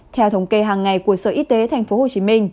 theo thống kê hàng ngày của sở y tế tp hcm